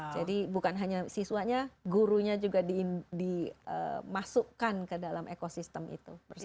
jadi bukan hanya siswanya gurunya juga dimasukkan ke dalam ekosistem itu